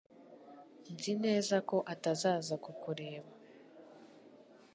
Nzi neza ko atazaza kukureba